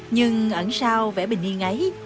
nhưng ẩn sao vẻ bình yên ấy